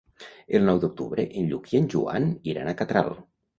El nou d'octubre en Lluc i en Joan iran a Catral.